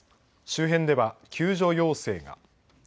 周辺では救助要請が。